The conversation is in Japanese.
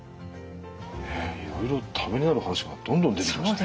ねえいろいろためになる話がどんどん出てきましたね。